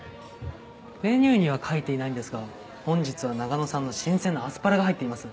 メニューには書いていないんですが本日は長野産の新鮮なアスパラが入っています。